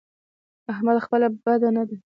احمد خپله بد نه دی؛